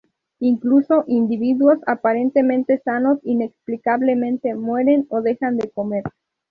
Incluso individuos aparentemente sanos inexplicablemente mueren o dejan de comer.